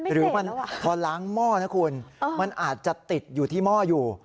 หรือมันพอล้างหม้อนะคุณมันอาจจะติดอยู่ที่หม้ออยู่